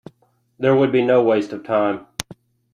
There would be no waste of time.